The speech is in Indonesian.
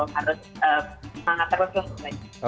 harus semangat terus langsung aja